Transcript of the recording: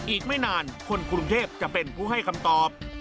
อีกไม่นานคนกรุงเทพจะเป็นผู้ให้คำตอบ